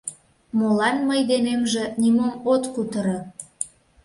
Молан мый денемже нимом от кутыро?